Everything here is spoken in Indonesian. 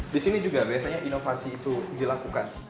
disini juga biasanya inovasi itu dilakukan